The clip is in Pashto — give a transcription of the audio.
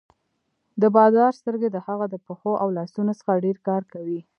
د بادار سترګې د هغه د پښو او لاسونو څخه ډېر کار کوي.